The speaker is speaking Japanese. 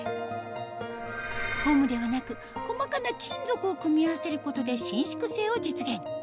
ゴムではなく細かな金属を組み合わせることで伸縮性を実現